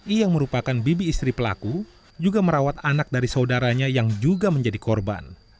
i yang merupakan bibi istri pelaku juga merawat anak dari saudaranya yang juga menjadi korban